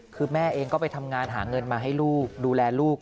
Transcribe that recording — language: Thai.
คือแม่เองก็ไปทำงานหาเงินมาให้ลูกดูแลลูก